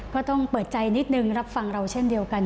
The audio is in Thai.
ก็ต้องเปิดใจนิดนึงรับฟังเราเช่นเดียวกัน